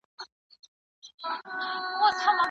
هغوی د صنعت انکشاف ته جدي پاملرنه وکړه.